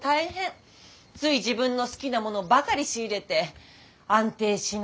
つい自分の好きなものばかり仕入れて安定しない